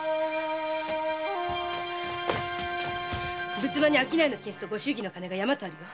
仏間に商いの金子とご祝儀の金が山とあるわ。